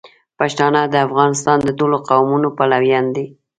پښتانه د افغانستان د ټولو قومونو پلویان دي.